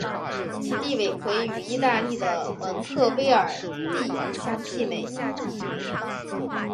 其地位可以与意大利的蒙特威尔第相媲美。